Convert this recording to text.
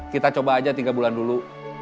kita coba aja tiga bulan dulu